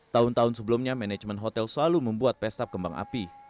tahun tahun sebelumnya manajemen hotel selalu membuat pesta kembang api